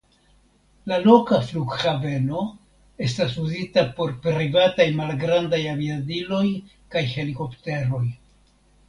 La loka flughaveno estas uzita por privataj malgrandaj aviadiloj kaj helikopteroj.